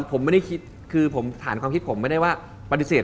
ผมไม่ได้คิดคือผมฐานความคิดผมไม่ได้ว่าปฏิเสธ